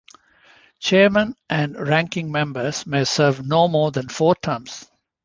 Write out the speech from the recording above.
Chairmen and Ranking members may serve no more than four terms.